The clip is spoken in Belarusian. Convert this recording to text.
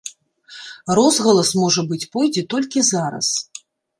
Розгалас, можа быць, пойдзе толькі зараз.